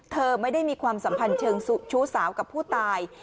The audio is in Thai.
เธอไม่ได้มีความสัมพันธ์เชิงชู้สาวกับผู้ตาย